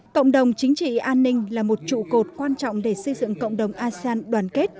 cộng đồng chính trị an ninh là một trụ cột quan trọng để xây dựng cộng đồng asean đoàn kết